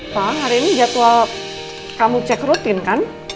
pak hari ini jadwal kamu cek rutin kan